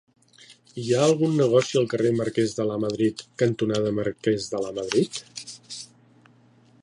Hi ha algun negoci al carrer Marquès de Lamadrid cantonada Marquès de Lamadrid?